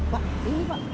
pak sini pak